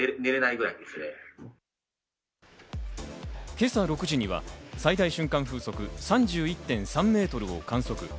今朝６時には最大瞬間風速３１．３メートルを観測。